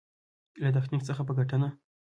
له تخنيک څخه په ګټنه.